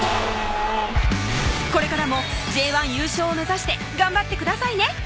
これからもＪ１優勝を目指して頑張ってくださいね